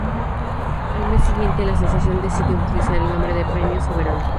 Al mes siguiente, la asociación decidió utilizar el nombre de "Premios Soberano".